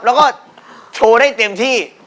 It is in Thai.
แล้วก็โชว์ได้เต็มที่